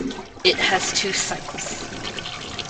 It has two sites.